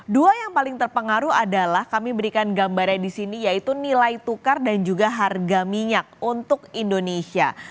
dua yang paling terpengaruh adalah kami berikan gambarnya di sini yaitu nilai tukar dan juga harga minyak untuk indonesia